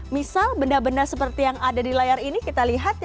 misal benda benda seperti yang ada di layar ini kita lihat